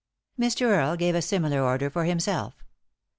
Mr. Earle gave a similar order for himself.